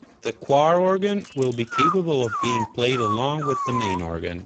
The choir organ will be capable of being played along with the main organ.